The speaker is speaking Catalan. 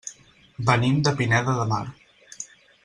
Venim de Pineda de Mar.